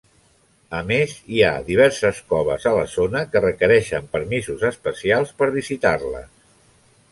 A més, hi ha diverses coves a la zona que requereixen permisos especials per visitar-les.